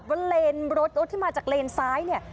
เหลนรถที่มาจากเลนซ้ายเนี่ย